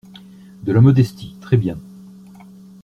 De la modestie, très bien.